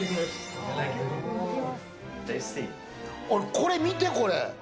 これ見て、これ。